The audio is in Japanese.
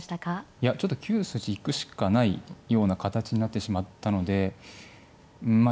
いやちょっと９筋行くしかないような形になってしまったのでまあ